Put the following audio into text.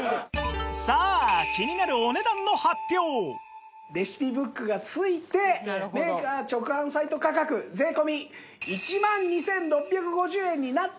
さあレシピブックが付いてメーカー直販サイト価格税込１万２６５０円になっておりますが。